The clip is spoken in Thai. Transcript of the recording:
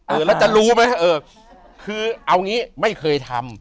เออแล้วจะรู้ไหมเออคือเอางี้ไม่เคยทำ